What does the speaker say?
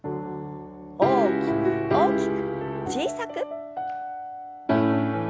大きく大きく小さく。